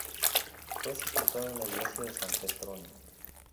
Fue sepultado en la iglesia de San Petronio.